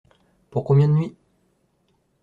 Pour combien de nuits ?